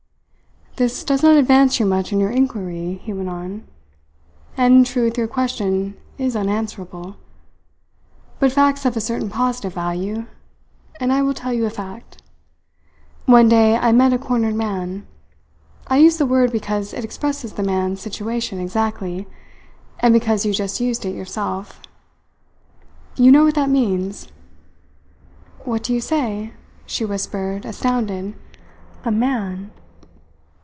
"This does not advance you much in your inquiry," he went on. "And in truth your question is unanswerable; but facts have a certain positive value, and I will tell you a fact. One day I met a cornered man. I use the word because it expresses the man's situation exactly, and because you just used it yourself. You know what that means?" "What do you say?" she whispered, astounded. "A man!"